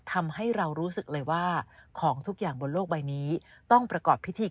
ทำให้เรารู้สึกเลยว่าของทุกอย่างบนโลกใบนี้ต้องประกอบพิธี